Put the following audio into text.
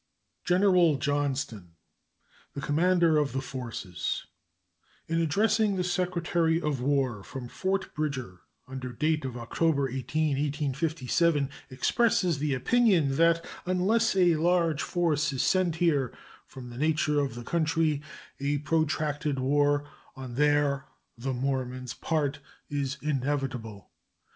General Johnston, the commander of the forces, in addressing the Secretary of War from Fort Bridger under date of October 18, 1857, expresses the opinion that "unless a large force is sent here, from the nature of the country a protracted war on their [the Mormons's] part is inevitable."